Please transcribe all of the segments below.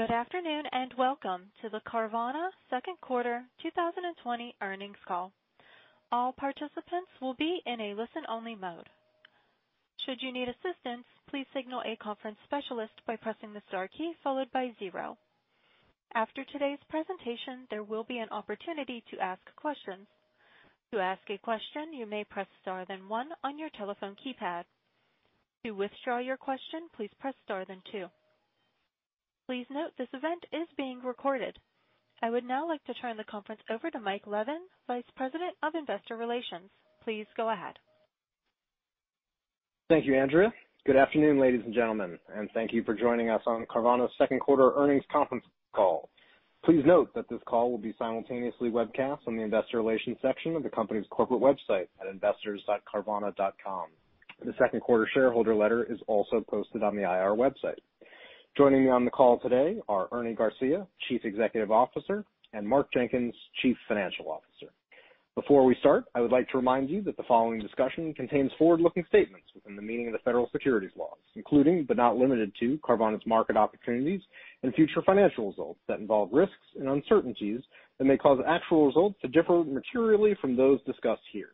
Good afternoon, and welcome to the Carvana second quarter 2020 earnings call. All participant will be in a listen only mode. Should you need assistant please signal conference specialist by pressing star key followed by zero. After today presentation there will be opportunity to asked questions. To asked a question you may press then one on your telephone keypad. To withdraw your question please press star then two. Please note that this event is being recorded. I would now like to turn the conference over to Mike Levin, Vice President of Investor Relations. Please go ahead. Thank you, Andrea. Good afternoon, ladies and gentlemen, and thank you for joining us on Carvana's second quarter earnings conference call. Please note that this call will be simultaneously webcast on the investor relations section of the company's corporate website at investors.carvana.com. The second quarter shareholder letter is also posted on the IR website. Joining me on the call today are Ernie Garcia, Chief Executive Officer, and Mark Jenkins, Chief Financial Officer. Before we start, I would like to remind you that the following discussion contains forward-looking statements within the meaning of the federal securities laws, including but not limited to Carvana's market opportunities and future financial results that involve risks and uncertainties that may cause actual results to differ materially from those discussed here.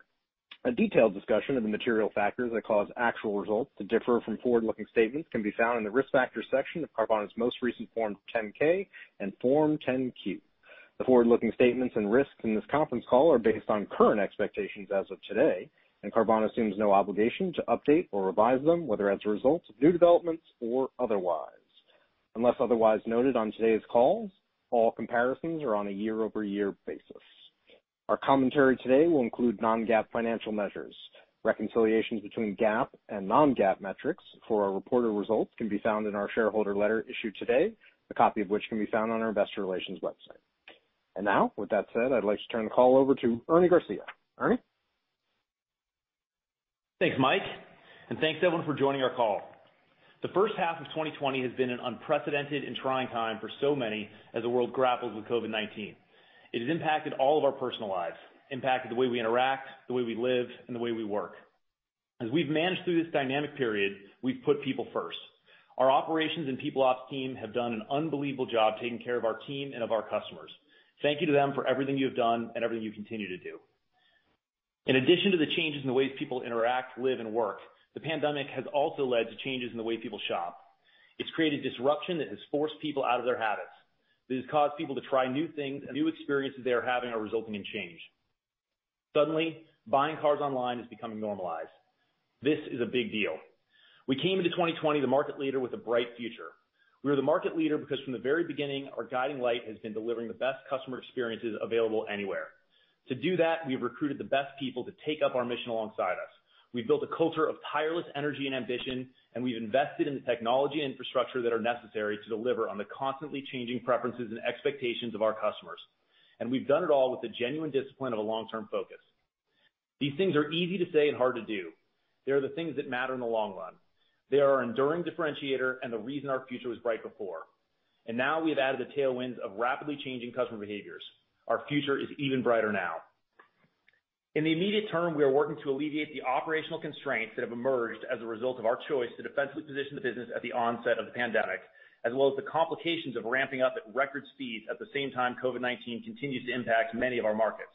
A detailed discussion of the material factors that cause actual results to differ from forward-looking statements can be found in the Risk Factors section of Carvana's most recent Form 10-K and Form 10-Q. The forward-looking statements and risks in this conference call are based on current expectations as of today, Carvana assumes no obligation to update or revise them, whether as a result of new developments or otherwise. Unless otherwise noted on today's call, all comparisons are on a year-over-year basis. Our commentary today will include non-GAAP financial measures. Reconciliations between GAAP and non-GAAP metrics for our reported results can be found in our shareholder letter issued today, a copy of which can be found on our investor relations website. Now, with that said, I'd like to turn the call over to Ernie Garcia. Ernie? Thanks, Mike. Thanks, everyone, for joining our call. The first half of 2020 has been an unprecedented and trying time for so many as the world grapples with COVID-19. It has impacted all of our personal lives, impacted the way we interact, the way we live, and the way we work. As we've managed through this dynamic period, we've put people first. Our operations and people ops team have done an unbelievable job taking care of our team and of our customers. Thank you to them for everything you have done and everything you continue to do. In addition to the changes in the ways people interact, live, and work, the pandemic has also led to changes in the way people shop. It's created disruption that has forced people out of their habits. It has caused people to try new things, and new experiences they are having are resulting in change. Suddenly, buying cars online is becoming normalized. This is a big deal. We came into 2020 the market leader with a bright future. We were the market leader because from the very beginning, our guiding light has been delivering the best customer experiences available anywhere. To do that, we've recruited the best people to take up our mission alongside us. We've built a culture of tireless energy and ambition, and we've invested in the technology and infrastructure that are necessary to deliver on the constantly changing preferences and expectations of our customers. We've done it all with the genuine discipline of a long-term focus. These things are easy to say and hard to do. They are the things that matter in the long run. They are our enduring differentiator and the reason our future was bright before. Now we have added the tailwinds of rapidly changing customer behaviors. Our future is even brighter now. In the immediate term, we are working to alleviate the operational constraints that have emerged as a result of our choice to defensively position the business at the onset of the pandemic, as well as the complications of ramping up at record speeds at the same time COVID-19 continues to impact many of our markets.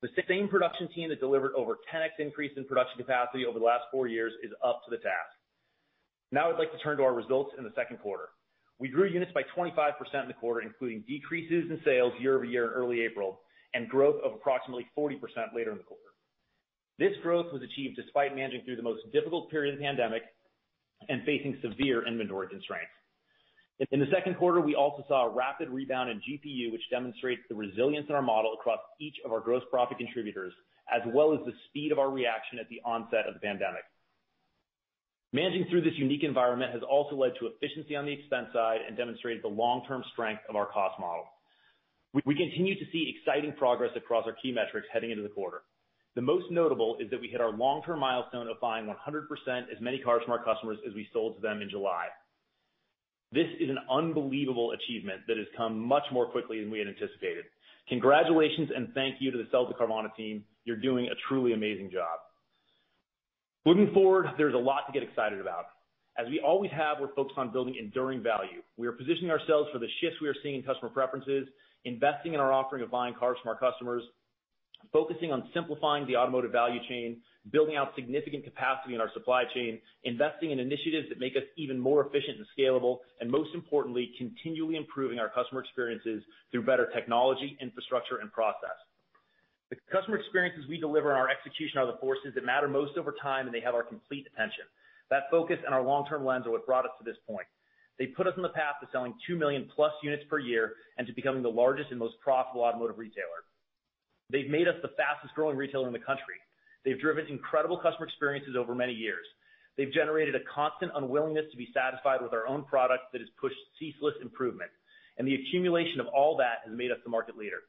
The same production team that delivered over 10x increase in production capacity over the last four years is up to the task. I'd like to turn to our results in the second quarter. We grew units by 25% in the quarter, including decreases in sales year-over-year in early April and growth of approximately 40% later in the quarter. This growth was achieved despite managing through the most difficult period of the pandemic and facing severe inventory constraints. In the second quarter, we also saw a rapid rebound in GPU, which demonstrates the resilience in our model across each of our gross profit contributors, as well as the speed of our reaction at the onset of the pandemic. Managing through this unique environment has also led to efficiency on the expense side and demonstrated the long-term strength of our cost model. We continue to see exciting progress across our key metrics heading into the quarter. The most notable is that we hit our long-term milestone of buying 100% as many cars from our customers as we sold to them in July. This is an unbelievable achievement that has come much more quickly than we had anticipated. Congratulations and thank you to the Sell to Carvana team. You're doing a truly amazing job. Moving forward, there's a lot to get excited about. As we always have, we're focused on building enduring value. We are positioning ourselves for the shifts we are seeing in customer preferences, investing in our offering of buying cars from our customers, focusing on simplifying the automotive value chain, building out significant capacity in our supply chain, investing in initiatives that make us even more efficient and scalable, and most importantly, continually improving our customer experiences through better technology, infrastructure, and process. The customer experiences we deliver and our execution are the forces that matter most over time, and they have our complete attention. That focus and our long-term lens are what brought us to this point. They put us on the path to selling 2 million-plus units per year and to becoming the largest and most profitable automotive retailer. They've made us the fastest-growing retailer in the country. They've driven incredible customer experiences over many years. They've generated a constant unwillingness to be satisfied with our own products that has pushed ceaseless improvement. The accumulation of all that has made us the market leader.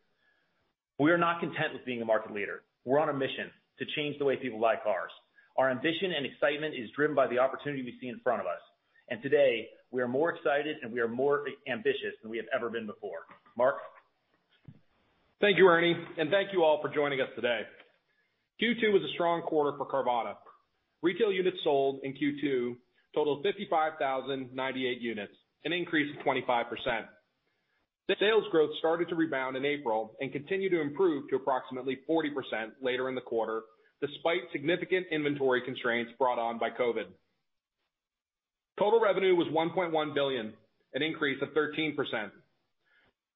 We are not content with being a market leader. We're on a mission to change the way people buy cars. Our ambition and excitement is driven by the opportunity we see in front of us. Today, we are more excited, and we are more ambitious than we have ever been before. Mark? Thank you, Ernie, and thank you all for joining us today. Q2 was a strong quarter for Carvana. Retail units sold in Q2 totaled 55,098 units, an increase of 25%. Sales growth started to rebound in April and continued to improve to approximately 40% later in the quarter, despite significant inventory constraints brought on by COVID. Total revenue was $1.1 billion, an increase of 13%.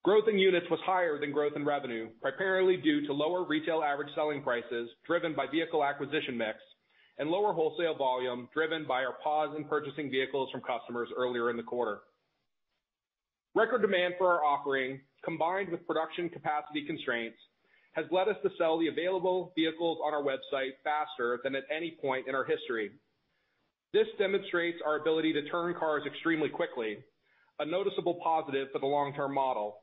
Growth in units was higher than growth in revenue, primarily due to lower retail average selling prices driven by vehicle acquisition mix and lower wholesale volume driven by our pause in purchasing vehicles from customers earlier in the quarter. Record demand for our offering, combined with production capacity constraints, has led us to sell the available vehicles on our website faster than at any point in our history. This demonstrates our ability to turn cars extremely quickly, a noticeable positive for the long-term model.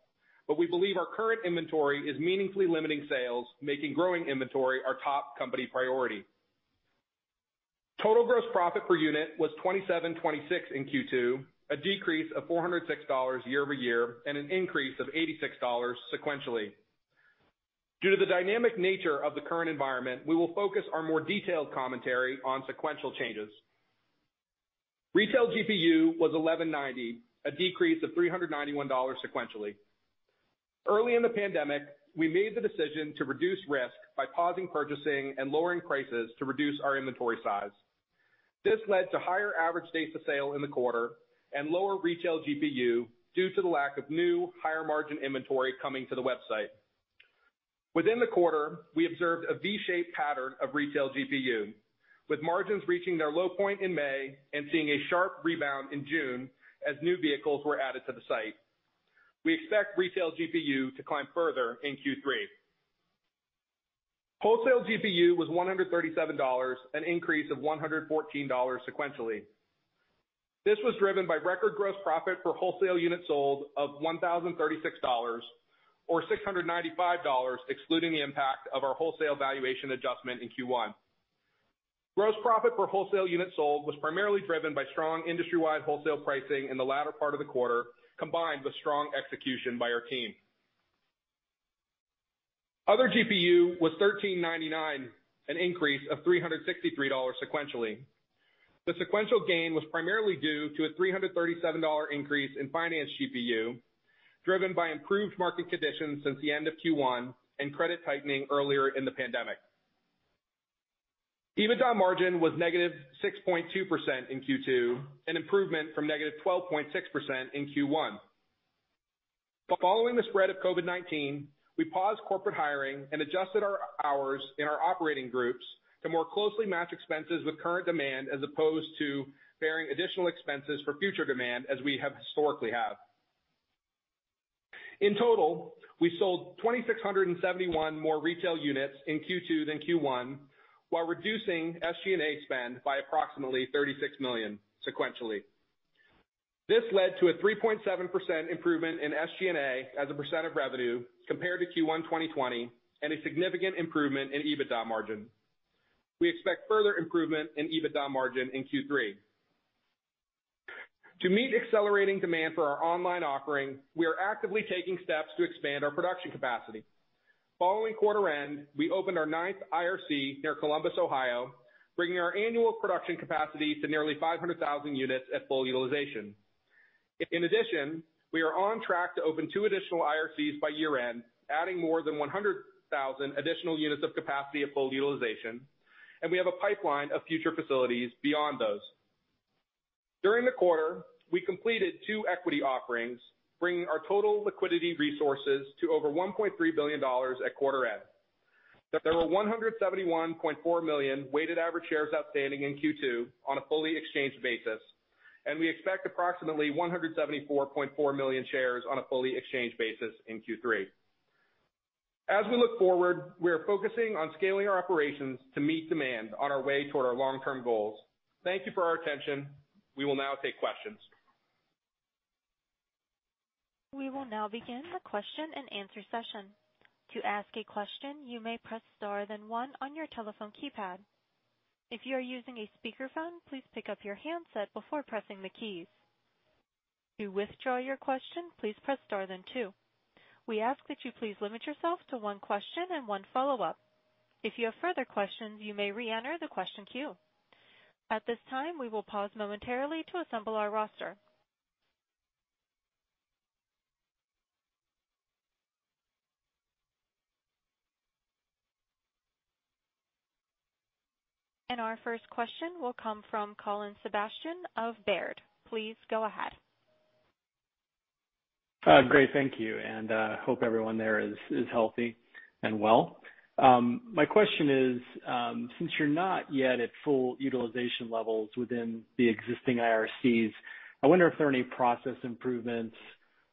We believe our current inventory is meaningfully limiting sales, making growing inventory our top company priority. Total gross profit per unit was $2,726 in Q2, a decrease of $406 year-over-year and an increase of $86 sequentially. Due to the dynamic nature of the current environment, we will focus our more detailed commentary on sequential changes. Retail GPU was $1,190, a decrease of $391 sequentially. Early in the pandemic, we made the decision to reduce risk by pausing purchasing and lowering prices to reduce our inventory size. This led to higher average days to sale in the quarter and lower Retail GPU due to the lack of new higher-margin inventory coming to the website. Within the quarter, we observed a V-shaped pattern of Retail GPU, with margins reaching their low point in May and seeing a sharp rebound in June as new vehicles were added to the site. We expect Retail GPU to climb further in Q3. Wholesale GPU was $137, an increase of $114 sequentially. This was driven by record gross profit for wholesale units sold of $1,036, or $695 excluding the impact of our wholesale valuation adjustment in Q1. Gross profit per wholesale unit sold was primarily driven by strong industry-wide wholesale pricing in the latter part of the quarter, combined with strong execution by our team. Other GPU was $1,399, an increase of $363 sequentially. The sequential gain was primarily due to a $337 increase in Finance GPU, driven by improved market conditions since the end of Q1 and credit tightening earlier in the pandemic. EBITDA margin was -6.2% in Q2, an improvement from -12.6% in Q1. Following the spread of COVID-19, we paused corporate hiring and adjusted our hours in our operating groups to more closely match expenses with current demand, as opposed to bearing additional expenses for future demand as we have historically have. In total, we sold 2,671 more retail units in Q2 than Q1, while reducing SG&A spend by approximately $36 million sequentially. This led to a 3.7% improvement in SG&A as a percent of revenue compared to Q1 2020, and a significant improvement in EBITDA margin. We expect further improvement in EBITDA margin in Q3. To meet accelerating demand for our online offering, we are actively taking steps to expand our production capacity. Following quarter end, we opened our ninth IRC near Columbus, Ohio, bringing our annual production capacity to nearly 500,000 units at full utilization. In addition, we are on track to open two additional IRCs by year-end, adding more than 100,000 additional units of capacity at full utilization, and we have a pipeline of future facilities beyond those. During the quarter, we completed two equity offerings, bringing our total liquidity resources to over $1.3 billion at quarter end. There were 171.4 million weighted average shares outstanding in Q2 on a fully exchanged basis, and we expect approximately 174.4 million shares on a fully exchanged basis in Q3. As we look forward, we are focusing on scaling our operations to meet demand on our way toward our long-term goals. Thank you for our attention. We will now take questions. We will now begin question-and-answers session. To asked a question you may press star and then one on your telephone keypad. If your are using speaker phone please pick up your handset before pressing the keys. To withdraw a question please press star then two. We asked you to limit yourself to one question and one follow up. If you have further question you may reenter the question queue. At this time we will pause momentarily to assemble our roster. Our first question will come from Colin Sebastian of Baird. Please go ahead. Great. Thank you. Hope everyone there is healthy and well. My question is, since you're not yet at full utilization levels within the existing IRCs, I wonder if there are any process improvements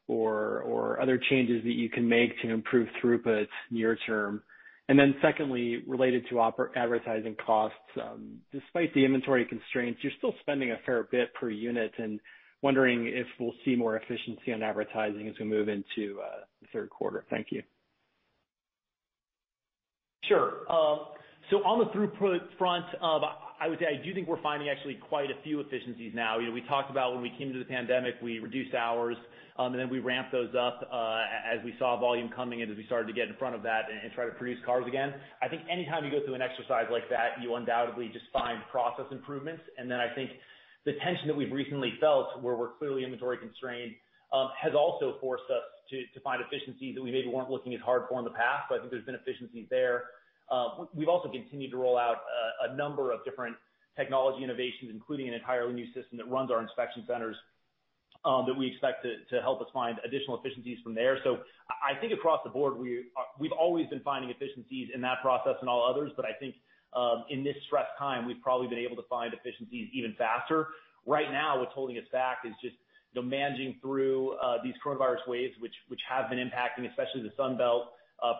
or other changes that you can make to improve throughput near term? Secondly, related to advertising costs, despite the inventory constraints, you're still spending a fair bit per unit and wondering if we'll see more efficiency on advertising as we move into the third quarter? Thank you. Sure. On the throughput front, I would say I do think we're finding actually quite a few efficiencies now. We talked about when we came to the pandemic, we reduced hours, and then we ramped those up as we saw volume coming in, as we started to get in front of that and try to produce cars again. I think anytime you go through an exercise like that, you undoubtedly just find process improvements. I think the tension that we've recently felt, where we're clearly inventory constrained, has also forced us to find efficiencies that we maybe weren't looking as hard for in the past. I think there's been efficiencies there. We've also continued to roll out a number of different technology innovations, including an entirely new system that runs our inspection centers, that we expect to help us find additional efficiencies from there. I think across the board, we've always been finding efficiencies in that process and all others. I think in this stressed time, we've probably been able to find efficiencies even faster. Right now, what's holding us back is just managing through these coronavirus waves, which have been impacting especially the Sun Belt,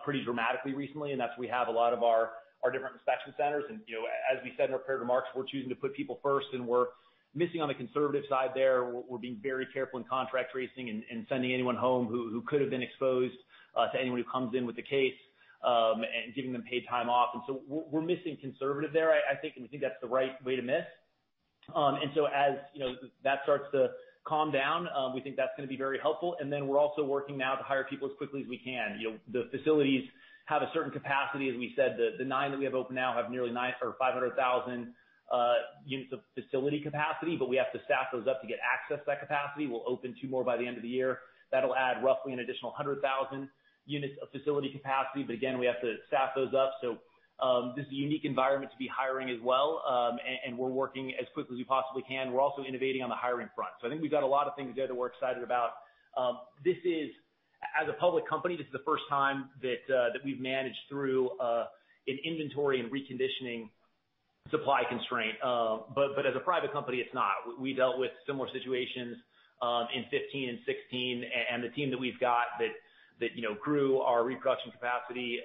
pretty dramatically recently. That's where we have a lot of our different inspection centers. As we said in our prepared remarks, we're choosing to put people first, and we're missing on the conservative side there. We're being very careful in contract tracing and sending anyone home who could have been exposed to anyone who comes in with the case, and giving them paid time off. We're missing conservative there, I think, and we think that's the right way to miss. As that starts to calm down, we think that's going to be very helpful. We're also working now to hire people as quickly as we can. The facilities have a certain capacity. As we said, the nine that we have open now have nearly 500,000 units of facility capacity. We have to staff those up to get access to that capacity. We'll open two more by the end of the year. That'll add roughly an additional 100,000 units of facility capacity. Again, we have to staff those up. This is a unique environment to be hiring as well, and we're working as quickly as we possibly can. We're also innovating on the hiring front. I think we've got a lot of things there that we're excited about. As a public company, this is the first time that we've managed through an inventory and reconditioning supply constraint. As a private company, it's not. We dealt with similar situations in 2015 and 2016. The team that we've got that grew our reproduction capacity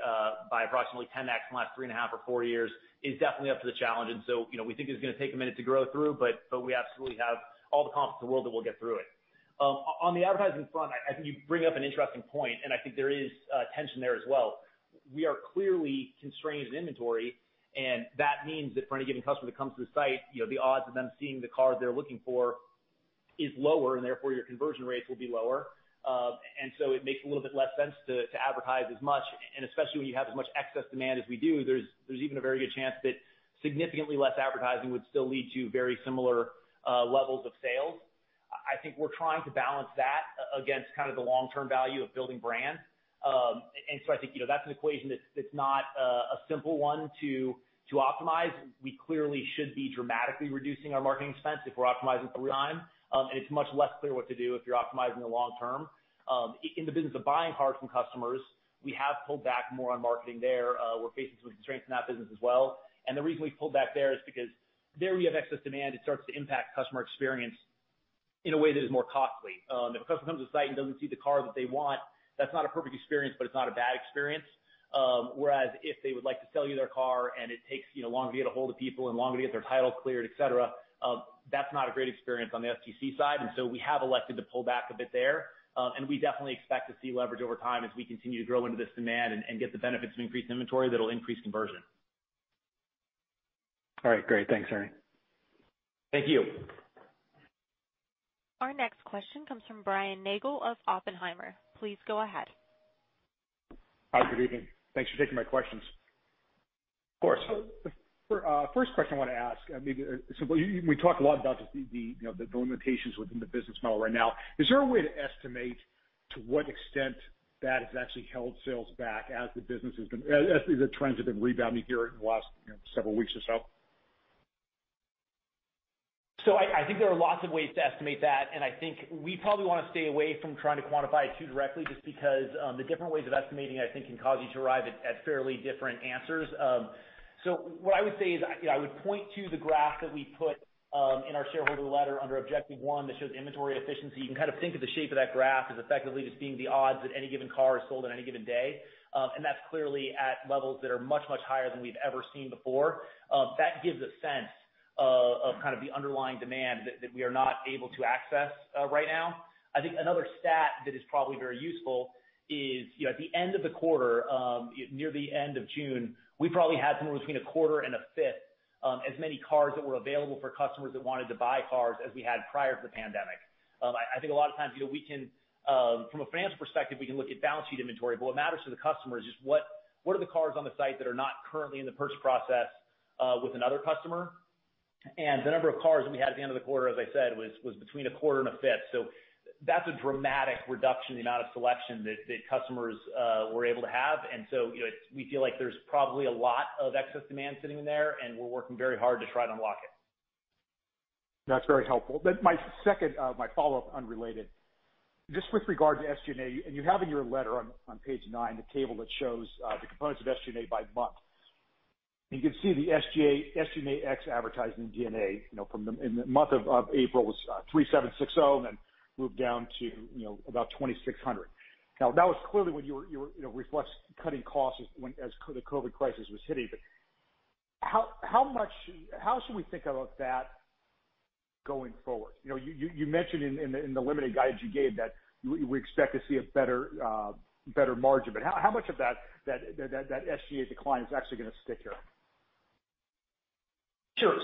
by approximately 10x in the last three and a half or four years is definitely up to the challenge. We think it's going to take a minute to grow through, but we absolutely have all the confidence in the world that we'll get through it. On the advertising front, I think you bring up an interesting point, and I think there is tension there as well. We are clearly constrained in inventory. That means that for any given customer that comes to the site, the odds of them seeing the car they're looking for is lower. Therefore, your conversion rates will be lower. It makes a little bit less sense to advertise as much. Especially when you have as much excess demand as we do, there's even a very good chance that significantly less advertising would still lead to very similar levels of sales. I think we're trying to balance that against the long-term value of building brands. I think that's an equation that's not a simple one to optimize. We clearly should be dramatically reducing our marketing expense if we're optimizing for real-time. It's much less clear what to do if you're optimizing the long term. In the business of buying cars from customers, we have pulled back more on marketing there. We're facing some constraints in that business as well. The reason we've pulled back there is because there we have excess demand. It starts to impact customer experience in a way that is more costly. If a customer comes to the site and doesn't see the car that they want, that's not a perfect experience, but it's not a bad experience. Whereas if they would like to sell you their car and it takes longer to get a hold of people and longer to get their title cleared, et cetera, that's not a great experience on the FTC side. We have elected to pull back a bit there. We definitely expect to see leverage over time as we continue to grow into this demand and get the benefits of increased inventory that'll increase conversion. All right. Great. Thanks, Ernie. Thank you. Our next question comes from Brian Nagel of Oppenheimer. Please go ahead. Hi, good evening. Thanks for taking my questions. Of course. The first question I want to ask, we talk a lot about just the limitations within the business model right now. Is there a way to estimate to what extent that has actually held sales back as the trends have been rebounding here in the last several weeks or so? I think there are lots of ways to estimate that, and I think we probably want to stay away from trying to quantify it too directly, just because the different ways of estimating, I think, can cause you to arrive at fairly different answers. What I would say is I would point to the graph that we put in our shareholder letter under objective 1 that shows inventory efficiency. You can kind of think of the shape of that graph as effectively just being the odds that any given car is sold on any given day. That's clearly at levels that are much, much higher than we've ever seen before. That gives a sense of kind of the underlying demand that we are not able to access right now. I think another stat that is probably very useful is at the end of the quarter, near the end of June, we probably had somewhere between a quarter and a fifth as many cars that were available for customers that wanted to buy cars as we had prior to the pandemic. I think a lot of times, from a finance perspective, we can look at balance sheet inventory. What matters to the customer is just what are the cars on the site that are not currently in the purchase process with another customer? The number of cars that we had at the end of the quarter, as I said, was between a quarter and a fifth. That's a dramatic reduction in the amount of selection that customers were able to have. We feel like there's probably a lot of excess demand sitting in there, and we're working very hard to try to unlock it. That's very helpful. My second, my follow-up, unrelated. Just with regard to SG&A, you have in your letter on page nine, the table that shows the components of SG&A by month. You can see the SG&A ex advertising G&A in the month of April was $3,760, and then moved down to about $2,600. That was clearly when you were reflex cutting costs as the COVID crisis was hitting. How should we think about that going forward. You mentioned in the limited guidance you gave that we expect to see a better margin, but how much of that SG&A decline is actually going to stick here? Sure.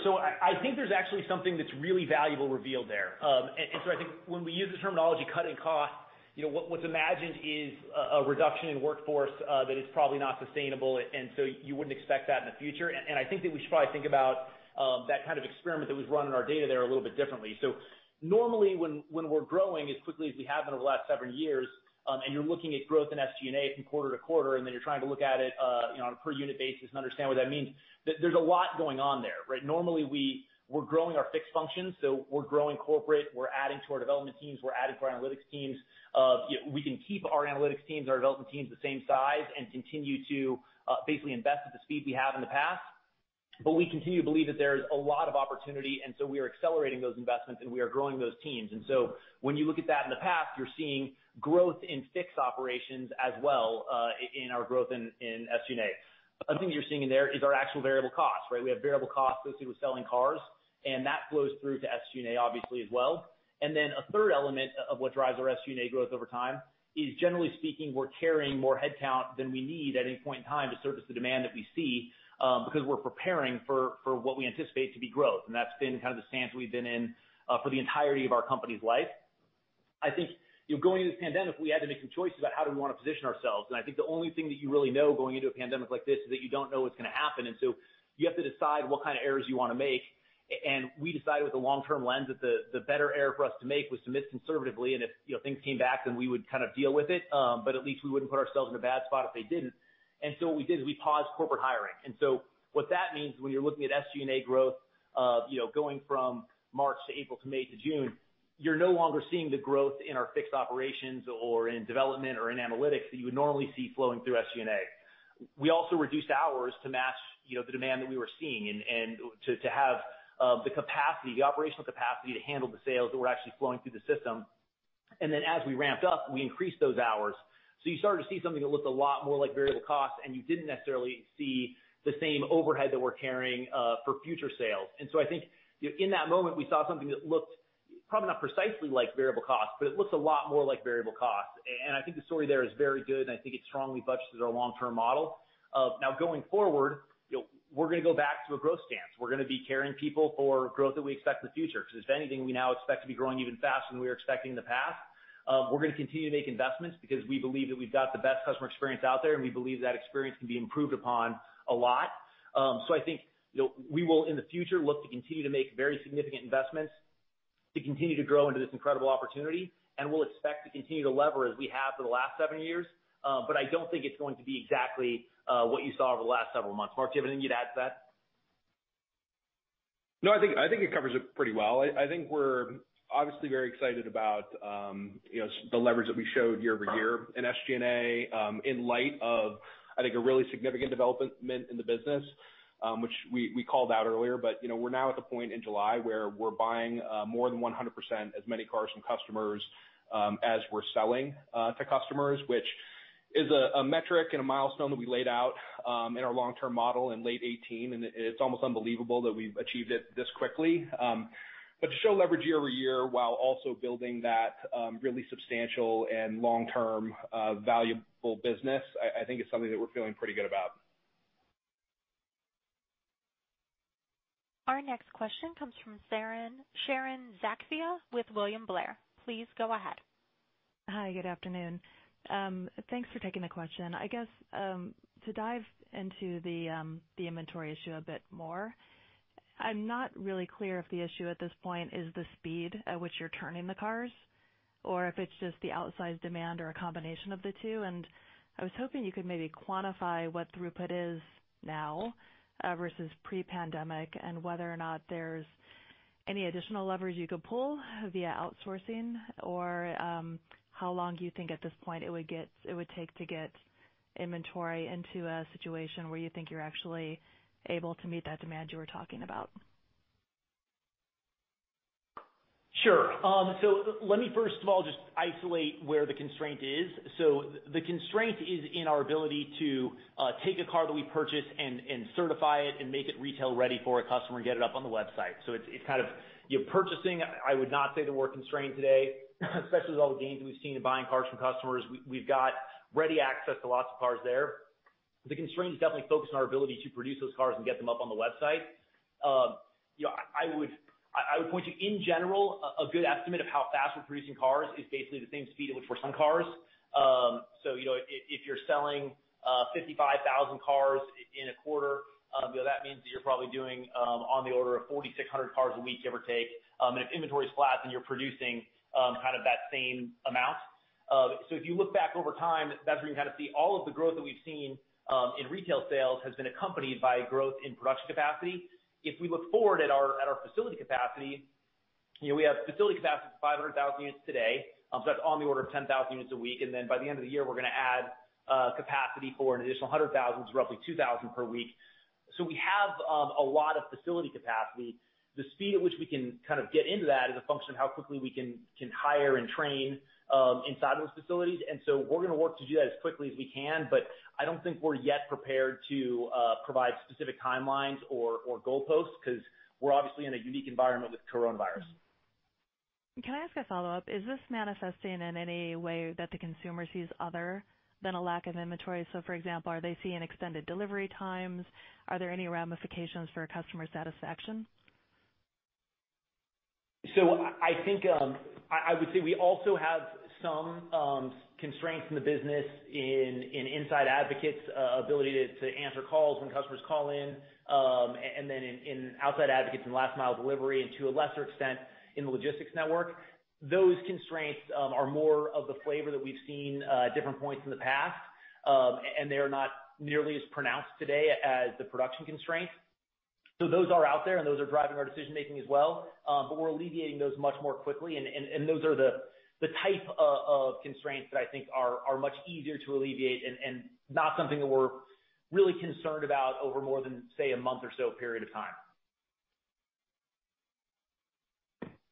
I think there's actually something that's really valuable revealed there. I think when we use the terminology cutting cost, what's imagined is a reduction in workforce that is probably not sustainable, and so you wouldn't expect that in the future. I think that we should probably think about that kind of experiment that was run in our data there a little bit differently. Normally when we're growing as quickly as we have been over the last several years, and you're looking at growth in SG&A from quarter to quarter, and then you're trying to look at it on a per unit basis and understand what that means, there's a lot going on there, right? Normally we're growing our fixed functions. We're growing corporate, we're adding to our development teams, we're adding to our analytics teams. We can keep our analytics teams, our development teams the same size and continue to basically invest at the speed we have in the past. We continue to believe that there's a lot of opportunity, and so we are accelerating those investments, and we are growing those teams. When you look at that in the past, you're seeing growth in fixed operations as well, in our growth in SG&A. Other thing you're seeing in there is our actual variable costs, right? We have variable costs associated with selling cars, and that flows through to SG&A obviously as well. A third element of what drives our SG&A growth over time is, generally speaking, we're carrying more headcount than we need at any point in time to service the demand that we see, because we're preparing for what we anticipate to be growth. That's been kind of the stance we've been in for the entirety of our company's life. I think, going into this pandemic, we had to make some choices about how do we want to position ourselves. I think the only thing that you really know going into a pandemic like this is that you don't know what's going to happen. You have to decide what kind of errors you want to make. We decided with a long-term lens that the better error for us to make was to miss conservatively. If things came back, then we would kind of deal with it. At least we wouldn't put ourselves in a bad spot if they didn't. What we did is we paused corporate hiring. What that means when you're looking at SG&A growth, going from March to April to May to June, you're no longer seeing the growth in our fixed operations or in development or in analytics that you would normally see flowing through SG&A. We also reduced hours to match the demand that we were seeing and to have the capacity, the operational capacity to handle the sales that were actually flowing through the system. Then as we ramped up, we increased those hours. You started to see something that looked a lot more like variable costs, and you didn't necessarily see the same overhead that we're carrying for future sales. I think in that moment, we saw something that looked probably not precisely like variable costs, but it looks a lot more like variable costs. I think the story there is very good, and I think it strongly buttresses our long-term model. Now going forward, we're going to go back to a growth stance. We're going to be carrying people for growth that we expect in the future. If anything, we now expect to be growing even faster than we were expecting in the past. We're going to continue to make investments because we believe that we've got the best customer experience out there, and we believe that experience can be improved upon a lot. I think we will, in the future, look to continue to make very significant investments to continue to grow into this incredible opportunity, and we'll expect to continue to lever as we have for the last seven years. I don't think it's going to be exactly what you saw over the last several months. Mark, do you have anything you'd add to that? No, I think it covers it pretty well. I think we're obviously very excited about the leverage that we showed year-over-year in SG&A, in light of, I think, a really significant development in the business, which we called out earlier. We're now at the point in July where we're buying more than 100% as many cars from customers as we're selling to customers, which is a metric and a milestone that we laid out in our long-term model in late 2018, and it's almost unbelievable that we've achieved it this quickly. To show leverage year-over-year while also building that really substantial and long-term valuable business, I think is something that we're feeling pretty good about. Our next question comes from Sharon Zackfia with William Blair. Please go ahead. Hi, good afternoon. Thanks for taking the question. I guess, to dive into the inventory issue a bit more, I'm not really clear if the issue at this point is the speed at which you're turning the cars or if it's just the outsized demand or a combination of the two. I was hoping you could maybe quantify what throughput is now versus pre-pandemic and whether or not there's any additional levers you could pull via outsourcing or how long do you think at this point it would take to get inventory into a situation where you think you're actually able to meet that demand you were talking about? Sure. Let me first of all just isolate where the constraint is. The constraint is in our ability to take a car that we purchase and certify it and make it retail-ready for a customer and get it up on the website. It's kind of purchasing, I would not say that we're constrained today, especially with all the gains we've seen in buying cars from customers. We've got ready access to lots of cars there. The constraint is definitely focused on our ability to produce those cars and get them up on the website. I would point you, in general, a good estimate of how fast we're producing cars is basically the same speed at which we're selling cars. If you're selling 55,000 cars in a quarter, that means that you're probably doing on the order of 4,600 cars a week, give or take. If inventory is flat, you're producing kind of that same amount. If you look back over time, that's where you kind of see all of the growth that we've seen in retail sales has been accompanied by growth in production capacity. If we look forward at our facility capacity, we have facility capacity for 500,000 units today. That's on the order of 10,000 units a week, and then by the end of the year, we're going to add capacity for an additional 100,000, so roughly 2,000 per week. We have a lot of facility capacity. The speed at which we can kind of get into that is a function of how quickly we can hire and train inside those facilities. We're going to work to do that as quickly as we can, but I don't think we're yet prepared to provide specific timelines or goalposts because we're obviously in a unique environment with coronavirus. Can I ask a follow-up? Is this manifesting in any way that the consumer sees other than a lack of inventory? For example, are they seeing extended delivery times? Are there any ramifications for customer satisfaction? I would say we also have some constraints in the business in inside advocates' ability to answer calls when customers call in, and then in outside advocates and last-mile delivery, and to a lesser extent, in the logistics network. Those constraints are more of the flavor that we've seen at different points in the past. They're not nearly as pronounced today as the production constraints. Those are out there, and those are driving our decision-making as well. We're alleviating those much more quickly. Those are the type of constraints that I think are much easier to alleviate and not something that we're really concerned about over more than, say, a month or so period of time.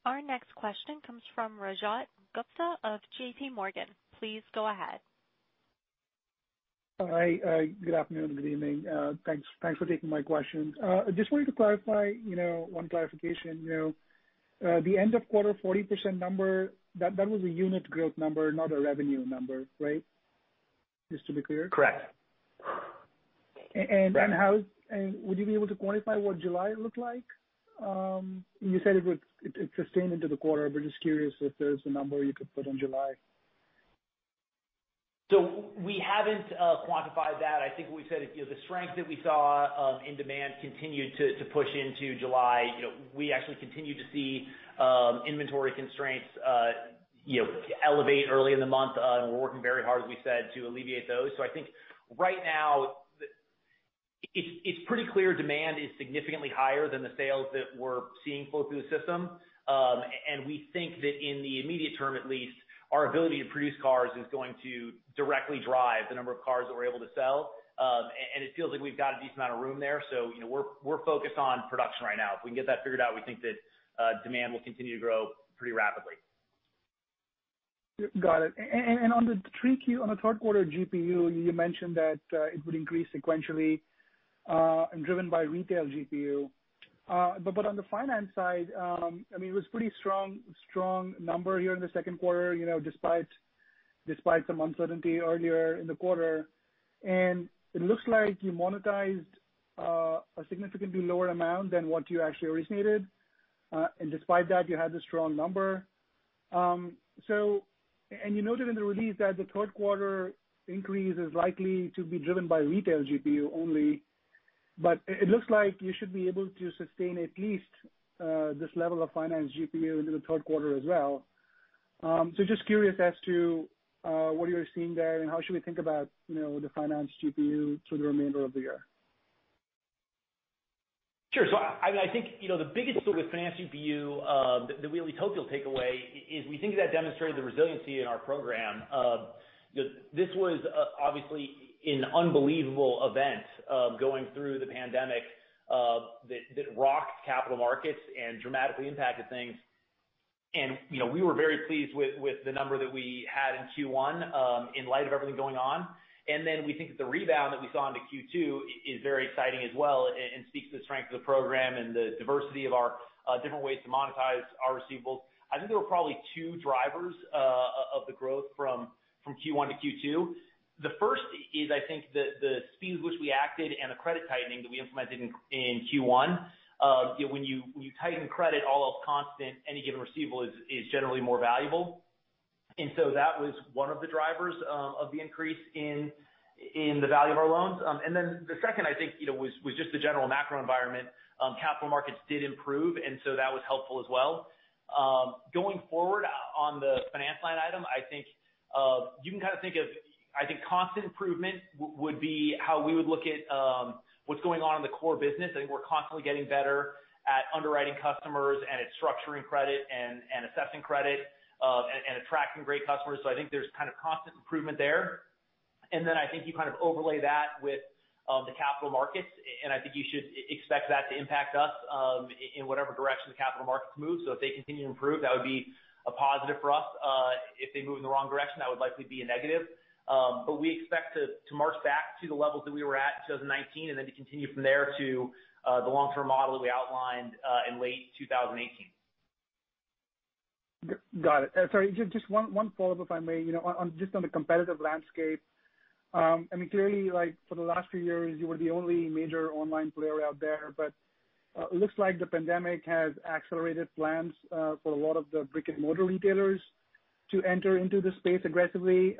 Our next question comes from Rajat Gupta of JPMorgan. Please go ahead. Hi. Good afternoon, good evening. Thanks for taking my questions. Just wanted to clarify, one clarification. The end of quarter 40% number, that was a unit growth number, not a revenue number, right? Just to be clear. Correct. Would you be able to quantify what July looked like? You said it sustained into the quarter, but just curious if there's a number you could put on July. We haven't quantified that. I think what we said is the strength that we saw in demand continued to push into July. We actually continue to see inventory constraints elevate early in the month, and we're working very hard, as we said, to alleviate those. I think right now, it's pretty clear demand is significantly higher than the sales that we're seeing flow through the system. We think that in the immediate term, at least, our ability to produce cars is going to directly drive the number of cars that we're able to sell. It feels like we've got a decent amount of room there, so we're focused on production right now. If we can get that figured out, we think that demand will continue to grow pretty rapidly. Got it. On the third quarter GPU, you mentioned that it would increase sequentially and driven by Retail GPU. On the Finance side, it was pretty strong number here in the second quarter, despite some uncertainty earlier in the quarter. It looks like you monetized a significantly lower amount than what you actually originated. Despite that, you had a strong number. You noted in the release that the third quarter increase is likely to be driven by Retail GPU only, but it looks like you should be able to sustain at least this level of Finance GPU into the third quarter as well. Just curious as to what you're seeing there and how should we think about the Finance GPU through the remainder of the year? Sure. I think the biggest thing with Finance GPU, that we at least hope you'll take away, is we think that demonstrated the resiliency in our program. This was obviously an unbelievable event, going through the pandemic, that rocked capital markets and dramatically impacted things. We were very pleased with the number that we had in Q1, in light of everything going on. We think that the rebound that we saw into Q2 is very exciting as well and speaks to the strength of the program and the diversity of our different ways to monetize our receivables. I think there were probably two drivers of the growth from Q1 to Q2. The first is, I think, the speed at which we acted and the credit tightening that we implemented in Q1. When you tighten credit, all else constant, any given receivable is generally more valuable. That was one of the drivers of the increase in the value of our loans. The second, I think, was just the general macro environment. Capital markets did improve, that was helpful as well. Going forward on the finance line item, you can think of, I think, constant improvement would be how we would look at what's going on in the core business. I think we're constantly getting better at underwriting customers and at structuring credit and assessing credit, and attracting great customers. I think there's constant improvement there. I think you overlay that with the capital markets, I think you should expect that to impact us in whatever direction the capital markets move. If they continue to improve, that would be a positive for us. If they move in the wrong direction, that would likely be a negative. We expect to march back to the levels that we were at in 2019 and then to continue from there to the long-term model that we outlined in late 2018. Got it. Sorry, just one follow-up, if I may. Just on the competitive landscape. Clearly, for the last few years, you were the only major online player out there. It looks like the pandemic has accelerated plans for a lot of the brick-and-mortar retailers to enter into the space aggressively.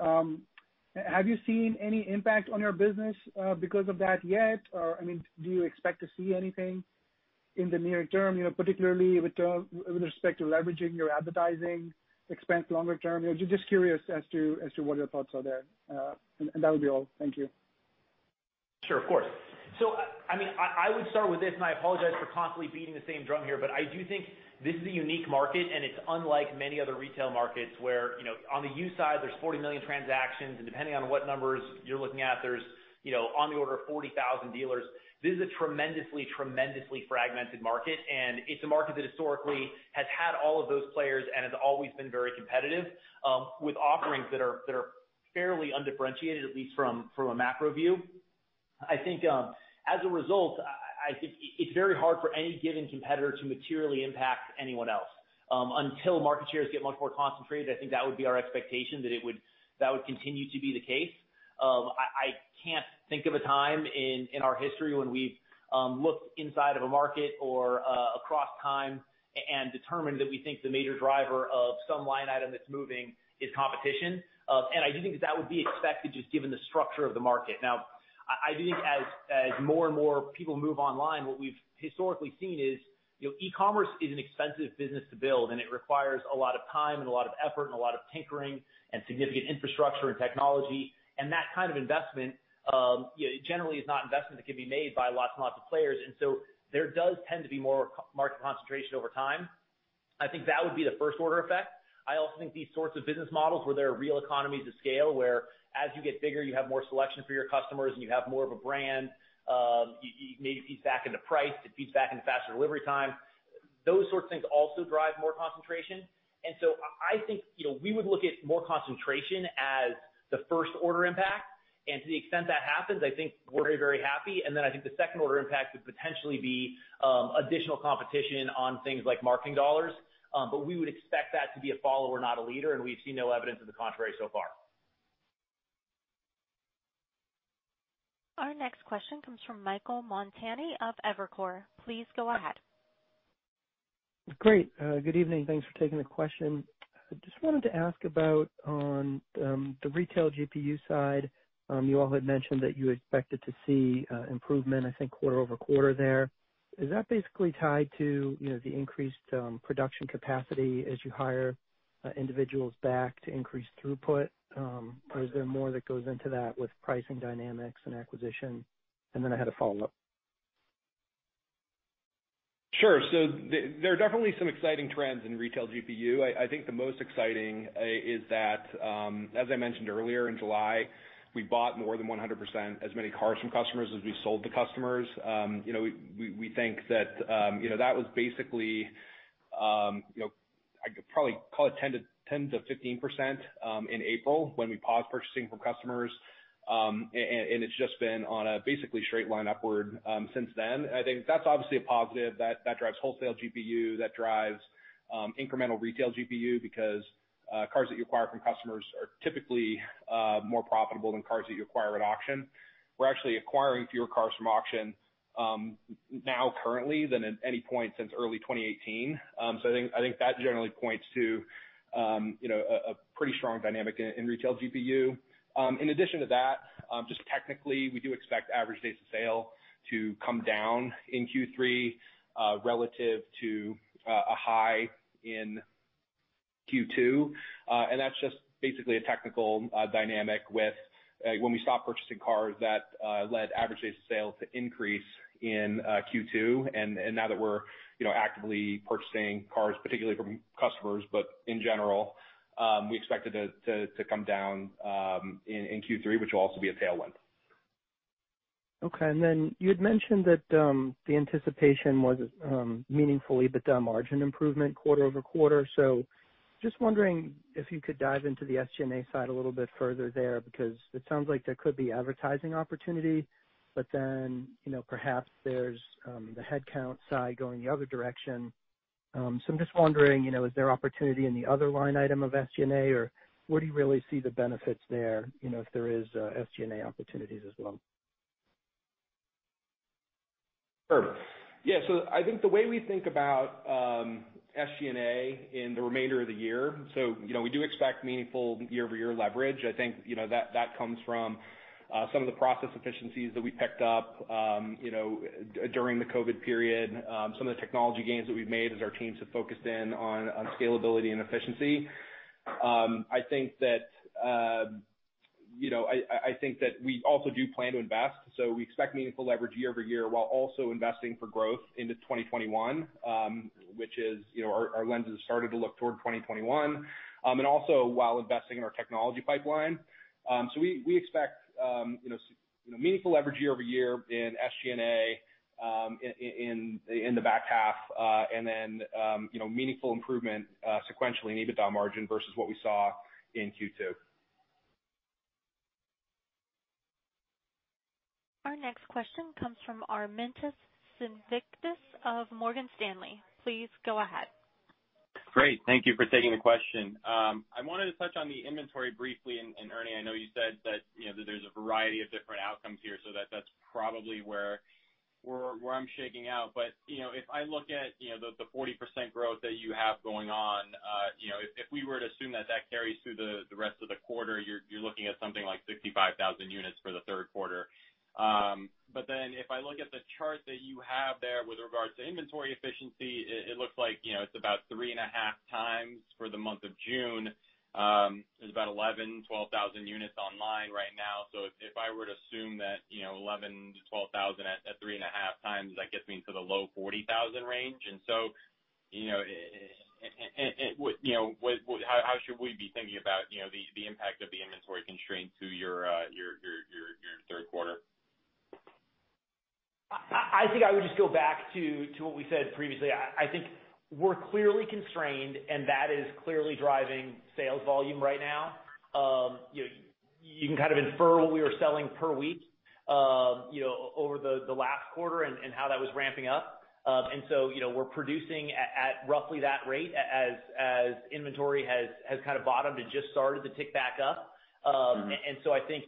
Have you seen any impact on your business because of that yet? Do you expect to see anything in the near term, particularly with respect to leveraging your advertising expense longer term? Just curious as to what your thoughts are there. That would be all. Thank you. Sure, of course. I would start with this, and I apologize for constantly beating the same drum here, but I do think this is a unique market, and it's unlike many other retail markets where on the used side, there's 40 million transactions, and depending on what numbers you're looking at, there's on the order of 40,000 dealers. This is a tremendously fragmented market, and it's a market that historically has had all of those players and has always been very competitive with offerings that are fairly undifferentiated, at least from a macro view. I think as a result, I think it's very hard for any given competitor to materially impact anyone else. Until market shares get much more concentrated, I think that would be our expectation that it would continue to be the case. I can't think of a time in our history when we've looked inside of a market or across time and determined that we think the major driver of some line item that's moving is competition. I do think that would be expected just given the structure of the market. Now, I think as more and more people move online, what we've historically seen is e-commerce is an expensive business to build, and it requires a lot of time and a lot of effort and a lot of tinkering and significant infrastructure and technology. That kind of investment, generally is not investment that can be made by lots and lots of players. There does tend to be more market concentration over time. I think that would be the first order effect. I also think these sorts of business models where there are real economies of scale, where as you get bigger, you have more selection for your customers and you have more of a brand. It maybe feeds back into price, it feeds back into faster delivery time. Those sorts of things also drive more concentration. I think, we would look at more concentration as the first order impact. Then I think the second order impact would potentially be additional competition on things like marketing dollars. We would expect that to be a follower, not a leader, and we've seen no evidence of the contrary so far. Our next question comes from Michael Montani of Evercore. Please go ahead. Great. Good evening. Thanks for taking the question. Just wanted to ask about on the Retail GPU side. You all had mentioned that you expected to see improvement, I think, quarter-over-quarter there. Is that basically tied to the increased production capacity as you hire individuals back to increase throughput? Or is there more that goes into that with pricing dynamics and acquisition? Then I had a follow-up. Sure. There are definitely some exciting trends in Retail GPU. I think the most exciting is that, as I mentioned earlier, in July, we bought more than 100% as many cars from customers as we sold to customers. We think that was basically, I could probably call it 10%-15% in April when we paused purchasing from customers, and it's just been on a basically straight line upward since then. I think that's obviously a positive that drives Wholesale GPU, that drives incremental Retail GPU because cars that you acquire from customers are typically more profitable than cars that you acquire at auction. We're actually acquiring fewer cars from auction now currently than at any point since early 2018. I think that generally points to a pretty strong dynamic in Retail GPU. In addition to that, just technically, we do expect average days of sale to come down in Q3 relative to a high in Q2. That's just basically a technical dynamic with when we stop purchasing cars that led average days of sale to increase in Q2. Now that we're actively purchasing cars, particularly from customers, but in general, we expect it to come down in Q3, which will also be a tailwind. Okay. You had mentioned that the anticipation was meaningful EBITDA margin improvement quarter-over-quarter. Just wondering if you could dive into the SG&A side a little bit further there, because it sounds like there could be advertising opportunity, perhaps there's the headcount side going the other direction. I'm just wondering, is there opportunity in the other line item of SG&A, or where do you really see the benefits there if there is SG&A opportunities as well? Sure. Yeah. I think the way we think about SG&A in the remainder of the year, so we do expect meaningful year-over-year leverage. I think that comes from some of the process efficiencies that we picked up during the COVID-19 period, some of the technology gains that we've made as our teams have focused in on scalability and efficiency. I think that we also do plan to invest, so we expect meaningful leverage year-over-year while also investing for growth into 2021 which is our lenses started to look toward 2021. Also while investing in our technology pipeline. We expect meaningful leverage year-over-year in SG&A in the back half. Then meaningful improvement sequentially in EBITDA margin versus what we saw in Q2. Our next question comes from Armintas Sinkevicius of Morgan Stanley. Please go ahead. Great. Thank you for taking the question. I wanted to touch on the inventory briefly. Ernie, I know you said that there's a variety of different outcomes here, so that's probably where I'm shaking out. If I look at the 40% growth that you have going on, if we were to assume that that carries through the rest of the quarter, you're looking at something like 65,000 units for the third quarter. If I look at the chart that you have there with regards to inventory efficiency, it looks like it's about 3.5 times for the month of June. There's about 11,000, 12,000 units online right now. If I were to assume that 11,000-12,000 at 3.5 times, that gets me into the low 40,000 range. How should we be thinking about the impact of the inventory constraint to your third quarter? I think I would just go back to what we said previously. I think we're clearly constrained, and that is clearly driving sales volume right now. You can infer what we were selling per week over the last quarter and how that was ramping up. We're producing at roughly that rate as inventory has bottomed and just started to tick back up. I think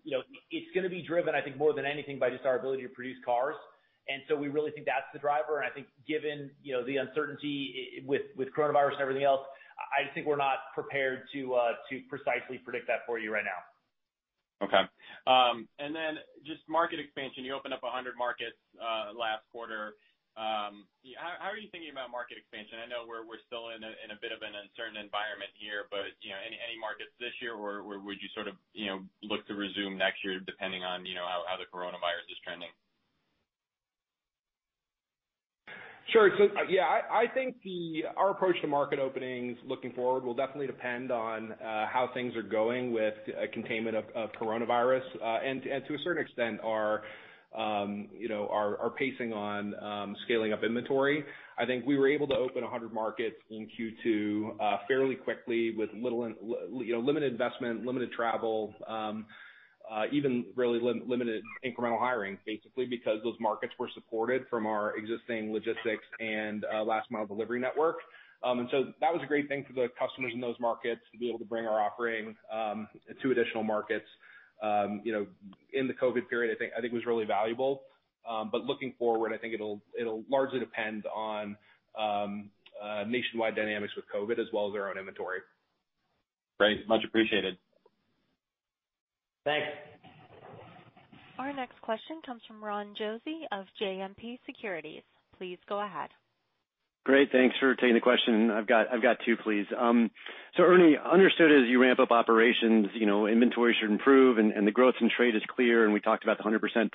it's going to be driven, I think more than anything, by just our ability to produce cars. We really think that's the driver. I think given the uncertainty with coronavirus and everything else, I just think we're not prepared to precisely predict that for you right now. Okay. Just market expansion. You opened up 100 markets last quarter. How are you thinking about market expansion? I know we're still in a bit of an uncertain environment here. Any markets this year, or would you look to resume next year depending on how the coronavirus is trending? Sure. Yeah, I think our approach to market openings looking forward will definitely depend on how things are going with containment of COVID-19. To a certain extent, our pacing on scaling up inventory. I think we were able to open 100 markets in Q2 fairly quickly with limited investment, limited travel, even really limited incremental hiring, basically because those markets were supported from our existing logistics and last mile delivery network. That was a great thing for the customers in those markets to be able to bring our offering to additional markets. In the COVID period, I think it was really valuable. Looking forward, I think it'll largely depend on nationwide dynamics with COVID as well as our own inventory. Great. Much appreciated. Thanks. Our next question comes from Ron Josey of JMP Securities. Please go ahead. Great. Thanks for taking the question. I've got two, please. Ernie, understood as you ramp up operations, inventory should improve and the growth in trade is clear, and we talked about the 100%.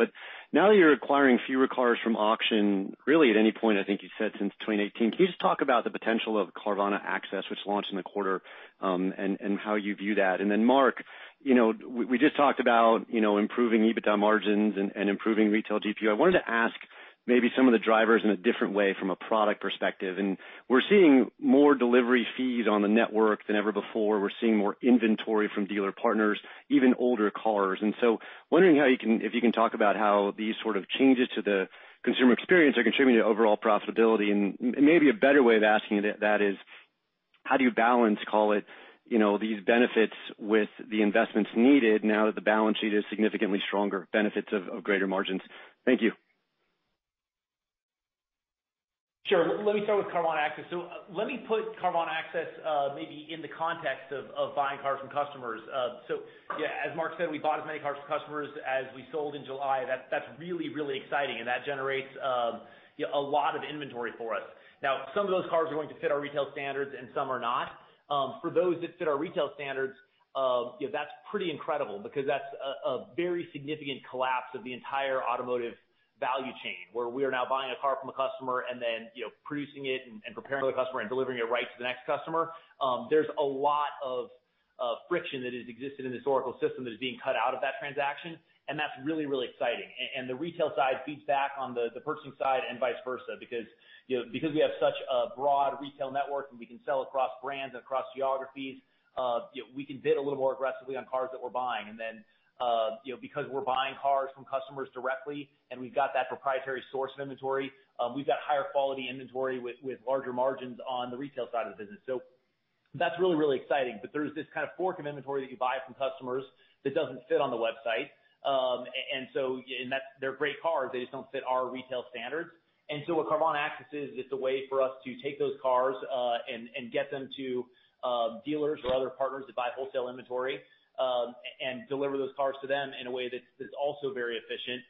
Now that you're acquiring fewer cars from auction, really at any point, I think you said since 2018. Can you just talk about the potential of CarvanaACCESS, which launched in the quarter, and how you view that? Mark, we just talked about improving EBITDA margins and improving Retail GPU. I wanted to ask maybe some of the drivers in a different way from a product perspective. We're seeing more delivery fees on the network than ever before. We're seeing more inventory from dealer partners, even older cars. Wondering if you can talk about how these sort of changes to the consumer experience are contributing to overall profitability. Maybe a better way of asking that is, how do you balance, call it, these benefits with the investments needed now that the balance sheet is significantly stronger, benefits of greater margins? Thank you. Sure. Let me start with CarvanaACCESS. Let me put CarvanaACCESS maybe in the context of buying cars from customers. Yeah, as Mark said, we bought as many cars from customers as we sold in July. That's really, really exciting and that generates a lot of inventory for us. Now, some of those cars are going to fit our retail standards and some are not. For those that fit our retail standards, that's pretty incredible because that's a very significant collapse of the entire automotive value chain, where we are now buying a car from a customer and then producing it and preparing the customer and delivering it right to the next customer. There's a lot of friction that has existed in this older system that is being cut out of that transaction, and that's really, really exciting. The retail side feeds back on the purchasing side and vice versa. Because we have such a broad retail network and we can sell across brands and across geographies, we can bid a little more aggressively on cars that we're buying. Because we're buying cars from customers directly and we've got that proprietary source of inventory, we've got higher quality inventory with larger margins on the retail side of the business. That's really, really exciting. There's this fork of inventory that you buy from customers that doesn't fit on the website. They're great cars, they just don't fit our retail standards. What CarvanaACCESS is, it's a way for us to take those cars, and get them to dealers or other partners that buy wholesale inventory, and deliver those cars to them in a way that's also very efficient.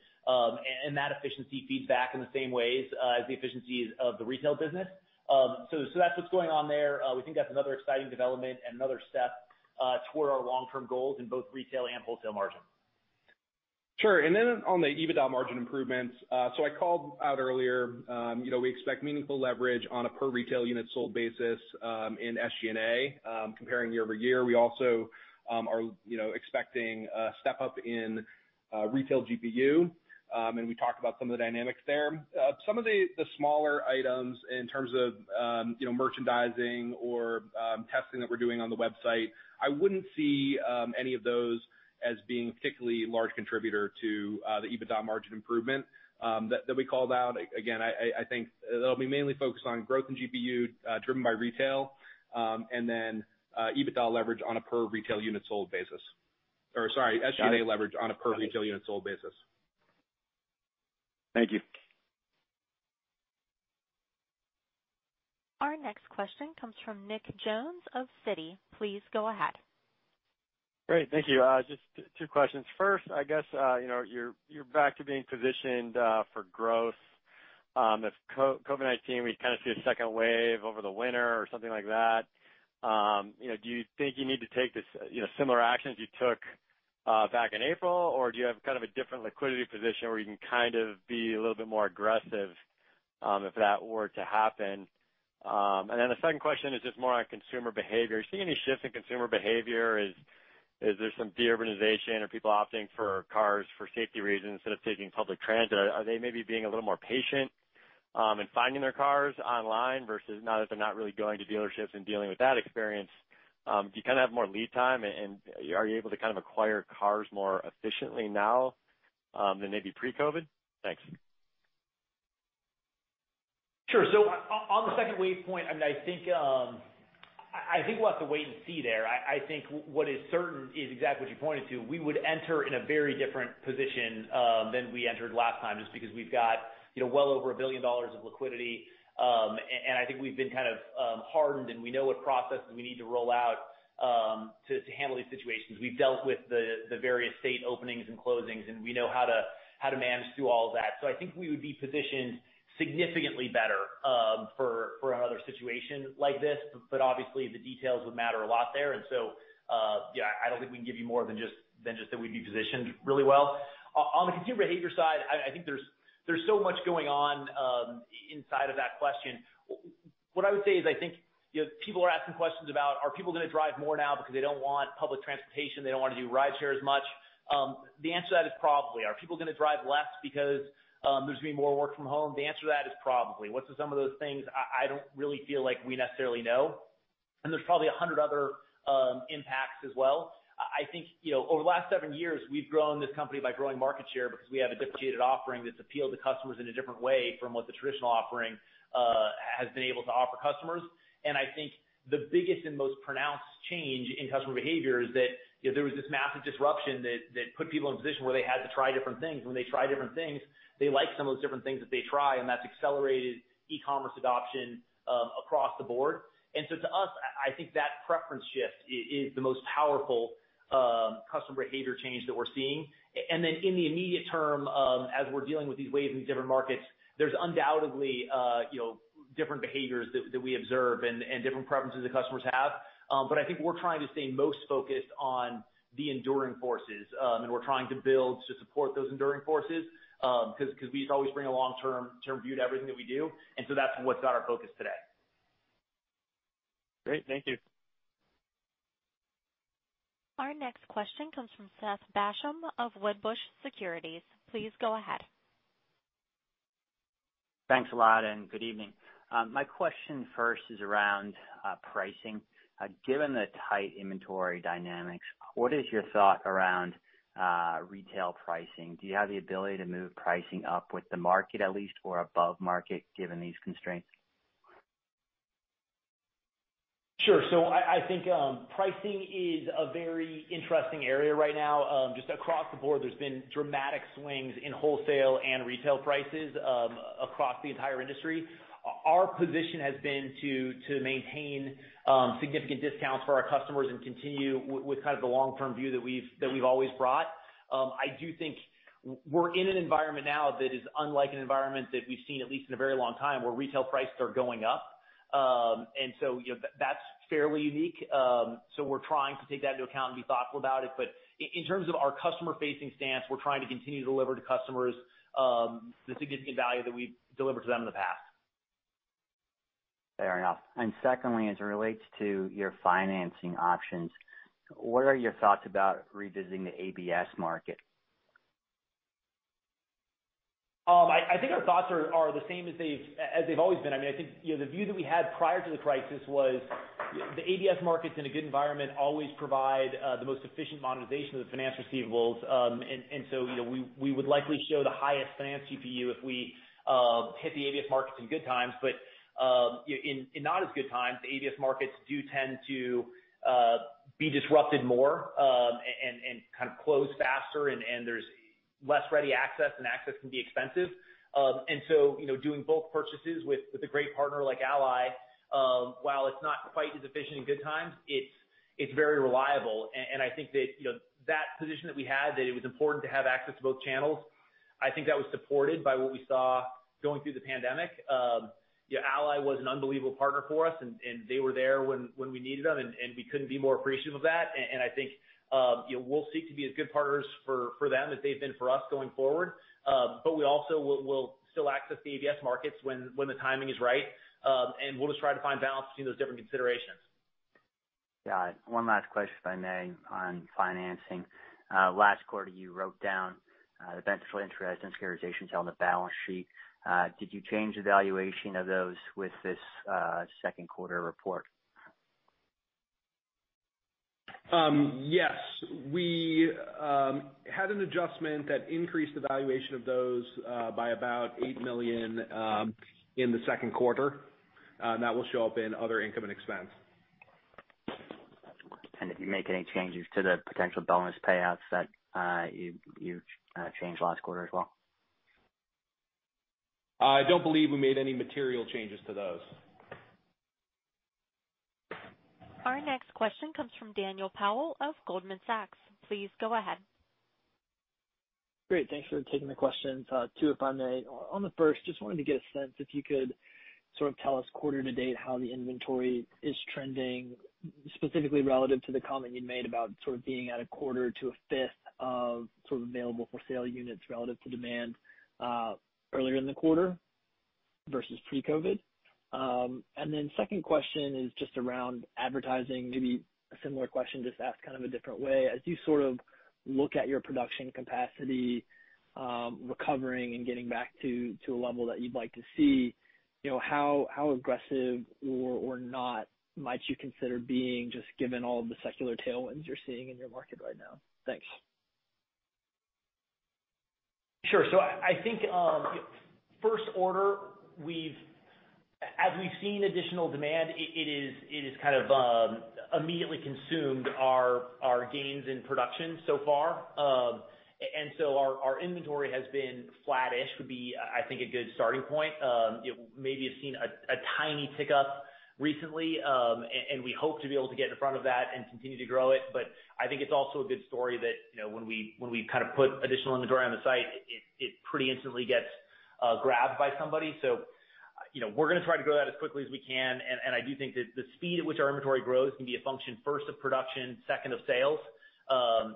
That efficiency feeds back in the same ways as the efficiencies of the retail business. That's what's going on there. We think that's another exciting development and another step toward our long-term goals in both retail and wholesale margin. Sure. On the EBITDA margin improvements, so I called out earlier, we expect meaningful leverage on a per retail unit sold basis in SG&A comparing year-over-year. We also are expecting a step up in Retail GPU. We talked about some of the dynamics there. Some of the smaller items in terms of merchandising or testing that we're doing on the website, I wouldn't see any of those as being a particularly large contributor to the EBITDA margin improvement that we called out. Again, I think that'll be mainly focused on growth in GPU, driven by retail, and then EBITDA leverage on a per retail unit sold basis. Or sorry, SG&A leverage on a per retail unit sold basis. Thank you. Our next question comes from Nicholas Jones of Citi. Please go ahead. Great. Thank you. Just two questions. First, I guess, you're back to being positioned for growth. If COVID-19, we see a second wave over the winter or something like that, do you think you need to take the similar actions you took back in April? Or do you have a different liquidity position where you can be a little bit more aggressive if that were to happen? The second question is just more on consumer behavior. Do you see any shifts in consumer behavior? Is there some de-urbanization? Are people opting for cars for safety reasons instead of taking public transit? Are they maybe being a little more patient in finding their cars online versus now that they're not really going to dealerships and dealing with that experience? Do you have more lead time and are you able to acquire cars more efficiently now than maybe pre-COVID? Thanks. Sure. On the second wave point, I think we'll have to wait and see there. I think what is certain is exactly what you pointed to. We would enter in a very different position than we entered last time, just because we've got well over $1 billion of liquidity. I think we've been hardened and we know what processes we need to roll out to handle these situations. We've dealt with the various state openings and closings, and we know how to manage through all of that. I think we would be positioned significantly better for another situation like this. Obviously the details would matter a lot there. Yeah, I don't think we can give you more than just that we'd be positioned really well. On the consumer behavior side, I think there's so much going on inside of that question. What I would say is I think people are asking questions about, are people going to drive more now because they don't want public transportation, they don't want to do rideshare as much? The answer to that is probably. Are people going to drive less because there's going to be more work from home? The answer to that is probably. What are some of those things? I don't really feel like we necessarily know. There's probably 100 other impacts as well. I think over the last seven years, we've grown this company by growing market share because we have a differentiated offering that's appealed to customers in a different way from what the traditional offering has been able to offer customers. I think the biggest and most pronounced change in customer behavior is that there was this massive disruption that put people in a position where they had to try different things. When they try different things, they like some of those different things that they try, and that's accelerated e-commerce adoption across the board. To us, I think that preference shift is the most powerful customer behavior change that we're seeing. In the immediate term, as we're dealing with these waves in these different markets, there's undoubtedly different behaviors that we observe and different preferences that customers have. I think we're trying to stay most focused on the enduring forces. We're trying to build to support those enduring forces, because we always bring a long-term view to everything that we do. That's what's got our focus today. Great. Thank you. Our next question comes from Seth Basham of Wedbush Securities. Please go ahead. Thanks a lot. Good evening. My question first is around pricing. Given the tight inventory dynamics, what is your thought around retail pricing? Do you have the ability to move pricing up with the market at least, or above market, given these constraints? Sure. I think pricing is a very interesting area right now. Just across the board, there's been dramatic swings in wholesale and retail prices across the entire industry. Our position has been to maintain significant discounts for our customers and continue with the long-term view that we've always brought. I do think we're in an environment now that is unlike an environment that we've seen at least in a very long time, where retail prices are going up. That's fairly unique. We're trying to take that into account and be thoughtful about it. In terms of our customer-facing stance, we're trying to continue to deliver to customers the significant value that we've delivered to them in the past. Fair enough. Secondly, as it relates to your financing options, what are your thoughts about revisiting the ABS market? I think our thoughts are the same as they've always been. I think the view that we had prior to the crisis was the ABS markets in a good environment always provide the most efficient monetization of the finance receivables. We would likely show the highest Finance GPU if we hit the ABS markets in good times. In not as good times, the ABS markets do tend to be disrupted more, and close faster and there's less ready access, and access can be expensive. Doing bulk purchases with a great partner like Ally, while it's not quite as efficient in good times, it's very reliable. I think that position that we had, that it was important to have access to both channels, I think that was supported by what we saw going through the pandemic. Ally was an unbelievable partner for us, and they were there when we needed them, and we couldn't be more appreciative of that. I think we'll seek to be as good partners for them as they've been for us going forward. We also will still access the ABS markets when the timing is right. We'll just try to find balance between those different considerations. Got it. One last question, if I may, on financing. Last quarter you wrote down the beneficial interest and securitization on the balance sheet. Did you change the valuation of those with this second quarter report? Yes. We had an adjustment that increased the valuation of those by about $8 million in the second quarter. That will show up in other income and expense. Did you make any changes to the potential bonus payouts that you changed last quarter as well? I don't believe we made any material changes to those. Our next question comes from Daniel Powell of Goldman Sachs. Please go ahead. Great. Thanks for taking the questions. Two if I may. On the first, just wanted to get a sense if you could sort of tell us quarter to date how the inventory is trending, specifically relative to the comment you'd made about sort of being at a quarter to a fifth of sort of available for sale units relative to demand, earlier in the quarter versus pre-COVID. Then second question is just around advertising. Maybe a similar question, just asked kind of a different way. As you sort of look at your production capacity recovering and getting back to a level that you'd like to see, how aggressive or not might you consider being just given all of the secular tailwinds you're seeing in your market right now? Thanks. Sure. I think first order, as we've seen additional demand, it is kind of immediately consumed our gains in production so far. Our inventory has been flattish, would be, I think, a good starting point. Maybe have seen a tiny tick-up recently. We hope to be able to get in front of that and continue to grow it. I think it's also a good story that when we kind of put additional inventory on the site, it pretty instantly gets grabbed by somebody. We're going to try to grow that as quickly as we can, and I do think that the speed at which our inventory grows can be a function, first of production, second of sales.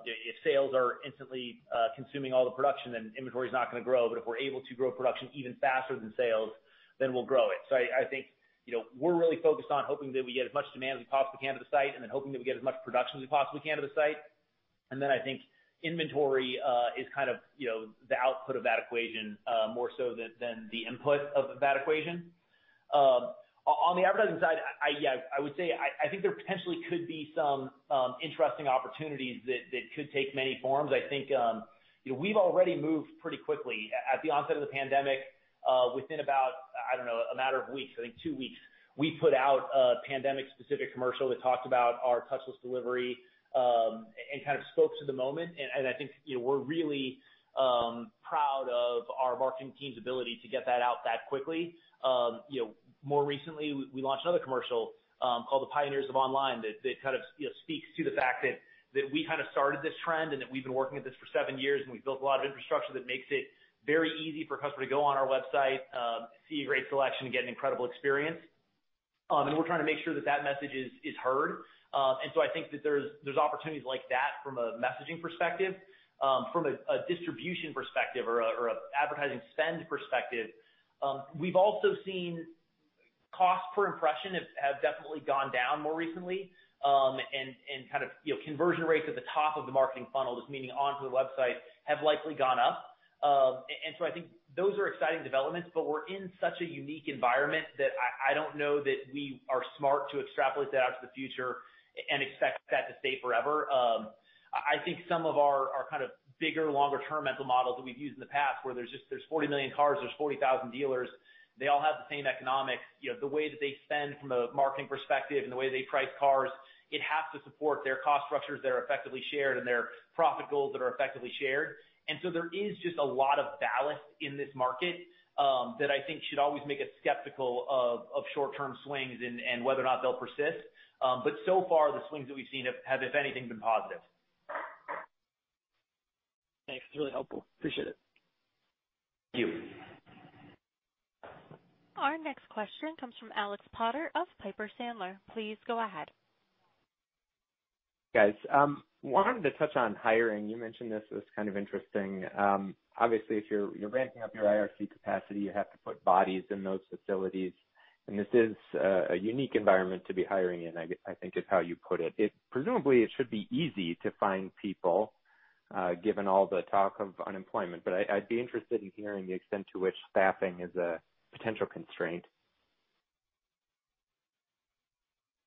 If sales are instantly consuming all the production, then inventory's not going to grow, but if we're able to grow production even faster than sales, then we'll grow it. I think, we're really focused on hoping that we get as much demand as we possibly can to the site, and then hoping that we get as much production as we possibly can to the site. I think inventory is kind of the output of that equation, more so than the input of that equation. On the advertising side, I would say, I think there potentially could be some interesting opportunities that could take many forms. I think we've already moved pretty quickly. At the onset of the pandemic, within about, I don't know, a matter of weeks, I think two weeks, we put out a pandemic-specific commercial that talked about our Touchless Delivery, and kind of spoke to the moment. More recently, we launched another commercial called "The Pioneers of Online" that kind of speaks to the fact that we kind of started this trend and that we've been working at this for seven years and we've built a lot of infrastructure that makes it very easy for a customer to go on our website, see a great selection, and get an incredible experience. We trying to make sure that that message is heard. I think that there's opportunities like that from a messaging perspective. From a distribution perspective or advertising spend perspective, we've also seen cost per impression have definitely gone down more recently. Conversion rates at the top of the marketing funnel, just meaning onto the website, have likely gone up. I think those are exciting developments, but we're in such a unique environment that I don't know that we are smart to extrapolate that out to the future and expect that to stay forever. I think some of our kind of bigger, longer term mental models that we've used in the past where there's 40 million cars, there's 40,000 dealers, they all have the same economics. The way that they spend from a marketing perspective and the way they price cars, it has to support their cost structures that are effectively shared and their profit goals that are effectively shared. There is just a lot of ballast in this market that I think should always make us skeptical of short-term swings and whether or not they will persist. So far the swings that we have seen have, if anything, been positive. Thanks. It's really helpful. Appreciate it. Thank you. Our next question comes from Alexander Potter of Piper Sandler. Please go ahead. Guys, wanted to touch on hiring. You mentioned this as kind of interesting. Obviously if you're ramping up your IRC capacity, you have to put bodies in those facilities, and this is a unique environment to be hiring in, I think is how you put it. Presumably it should be easy to find people, given all the talk of unemployment. I'd be interested in hearing the extent to which staffing is a potential constraint.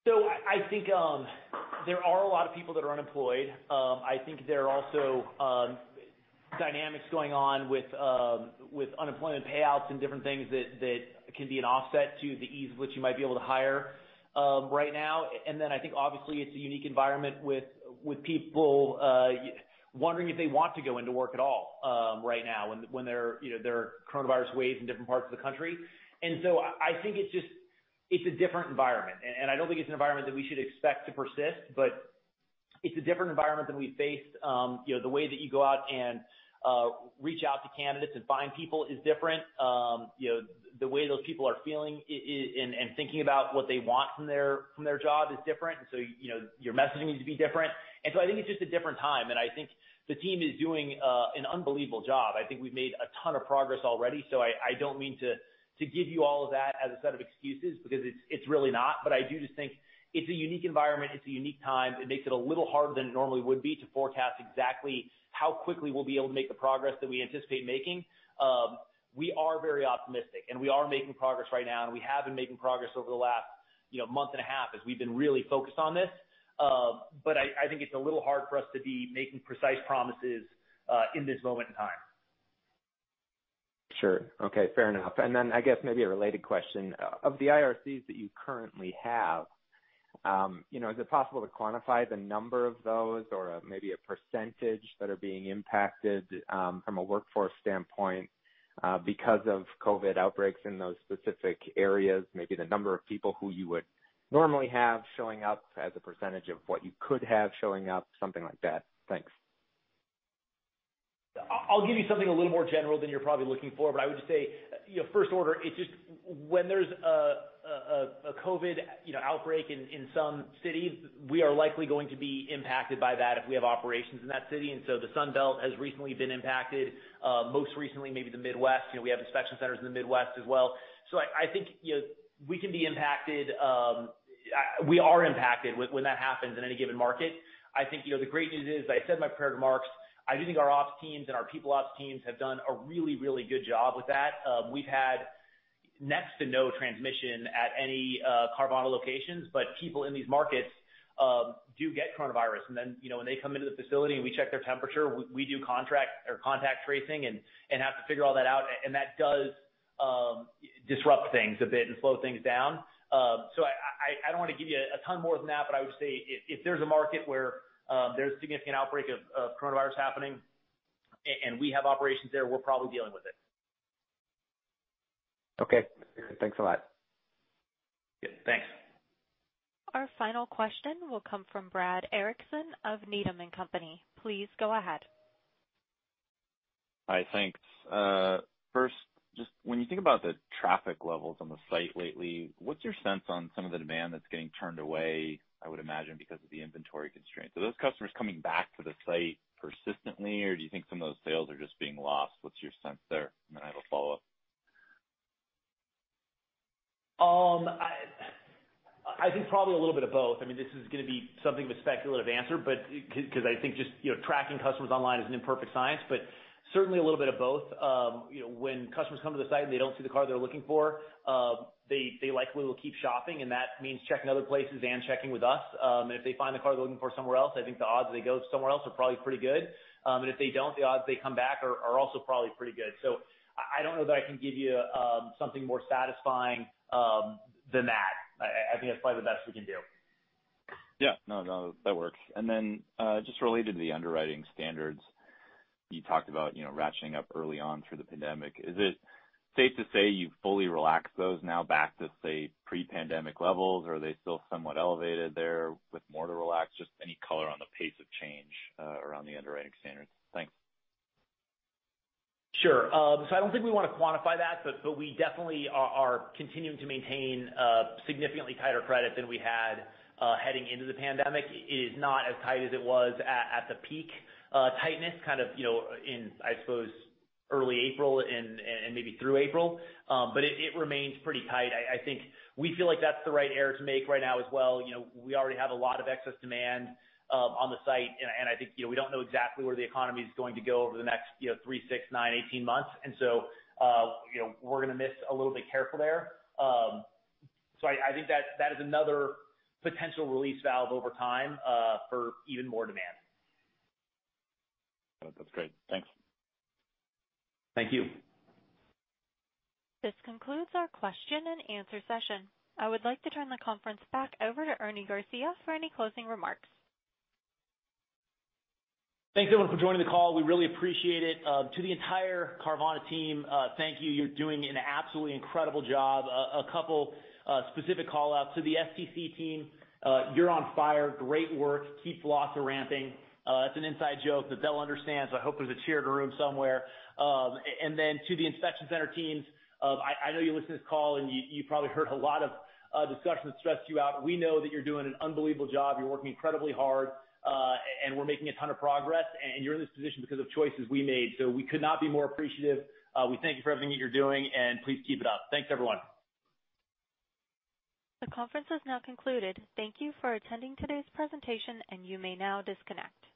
I think there are a lot of people that are unemployed. I think there are also dynamics going on with unemployment payouts and different things that can be an offset to the ease of which you might be able to hire right now. I think obviously it's a unique environment with people wondering if they want to go into work at all right now when there are coronavirus waves in different parts of the country. I think it's a different environment, and I don't think it's an environment that we should expect to persist, but it's a different environment than we faced. The way that you go out and reach out to candidates and find people is different. The way those people are feeling and thinking about what they want from their job is different. Your messaging needs to be different. I think it's just a different time, and I think the team is doing an unbelievable job. I think we've made a ton of progress already, so I don't mean to give you all of that as a set of excuses because it's really not. I do just think it's a unique environment. It's a unique time. It makes it a little harder than it normally would be to forecast exactly how quickly we'll be able to make the progress that we anticipate making. We are very optimistic, and we are making progress right now, and we have been making progress over the last month and a half as we've been really focused on this. I think it's a little hard for us to be making precise promises in this moment in time. Sure. Okay, fair enough. I guess maybe a related question. Of the IRCs that you currently have, is it possible to quantify the number of those or maybe a percentage that are being impacted from a workforce standpoint because of COVID outbreaks in those specific areas? Maybe the number of people who you would normally have showing up as a percentage of what you could have showing up, something like that. Thanks. I'll give you something a little more general than you're probably looking for, but I would just say, first order, when there's a COVID-19 outbreak in some cities, we are likely going to be impacted by that if we have operations in that city. The Sun Belt has recently been impacted. Most recently, maybe the Midwest. We have inspection centers in the Midwest as well. I think we can be impacted. We are impacted when that happens in any given market. I think the great news is, I said in my prepared remarks, I do think our ops teams and our people ops teams have done a really, really good job with that. We've had next to no transmission at any Carvana locations, but people in these markets do get coronavirus. Then when they come into the facility, and we check their temperature, we do contact tracing and have to figure all that out. That does disrupt things a bit and slow things down. I don't want to give you a ton more than that, but I would say if there's a market where there's a significant outbreak of coronavirus happening, and we have operations there, we're probably dealing with it. Okay. Thanks a lot. Yeah. Thanks. Our final question will come from Brad Erickson of Needham & Company. Please go ahead. Hi, thanks. First, just when you think about the traffic levels on the site lately, what's your sense on some of the demand that's getting turned away, I would imagine because of the inventory constraints? Are those customers coming back to the site persistently, or do you think some of those sales are just being lost? What's your sense there? I have a follow-up. I think probably a little bit of both. This is going to be something of a speculative answer, because I think just tracking customers online is an imperfect science, but certainly a little bit of both. When customers come to the site, and they don't see the car they're looking for, they likely will keep shopping, and that means checking other places and checking with us. If they find the car they're looking for somewhere else, I think the odds they go somewhere else are probably pretty good. If they don't, the odds they come back are also probably pretty good. I don't know that I can give you something more satisfying than that. I think that's probably the best we can do. Yeah. No, that works. Just related to the underwriting standards. You talked about ratcheting up early on through the pandemic. Is it safe to say you've fully relaxed those now back to, say, pre-pandemic levels? Are they still somewhat elevated there with more to relax? Just any color on the pace of change around the underwriting standards. Thanks. Sure. I don't think we want to quantify that, but we definitely are continuing to maintain significantly tighter credit than we had heading into the pandemic. It is not as tight as it was at the peak tightness, in, I suppose, early April and maybe through April. It remains pretty tight. I think we feel like that's the right error to make right now as well. We already have a lot of excess demand on the site, and I think we don't know exactly where the economy's going to go over the next three, six, nine, 18 months. We're going to miss a little bit careful there. I think that is another potential release valve over time for even more demand. That's great. Thanks. Thank you. This concludes our question-and-answer session. I would like to turn the conference back over to Ernie Garcia for any closing remarks. Thanks, everyone, for joining the call. We really appreciate it. To the entire Carvana team, thank you. You're doing an absolutely incredible job. A couple specific call-outs. To the STC team, you're on fire. Great work. Keep losses ramping. That's an inside joke that they'll understand, so I hope there's a cheer in a room somewhere. To the inspection center teams, I know you listen to this call, and you probably heard a lot of discussion that stressed you out. We know that you're doing an unbelievable job. You're working incredibly hard. We're making a ton of progress, and you're in this position because of choices we made, so we could not be more appreciative. We thank you for everything that you're doing, and please keep it up. Thanks, everyone. The conference has now concluded. Thank you for attending today's presentation, and you may now disconnect.